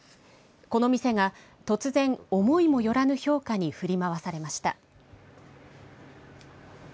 この店が突然思いもよらぬ評価に振り回されました。